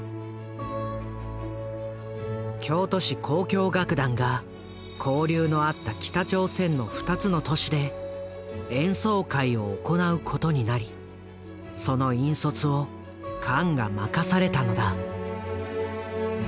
京都市交響楽団が交流のあった北朝鮮の２つの都市で演奏会を行うことになりその引率をカンが任されたのだ。